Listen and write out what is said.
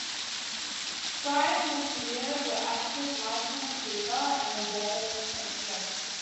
Starring in this video were actors Michael Steger and Devon Aoki.